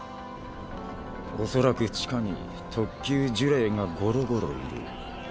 おそらく地下に特級呪霊がごろごろいる。